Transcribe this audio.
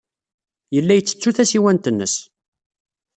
Yella yettettu tasiwant-nnes.